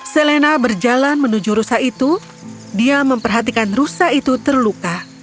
selena berjalan menuju rusa itu dia memperhatikan rusa itu terluka